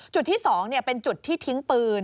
จุดที่๒เป็นจุดที่ทิ้งปืน